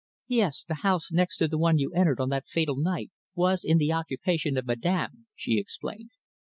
"Yes, the house next to the one you entered on that fatal night was in the occupation of Madame," she explained.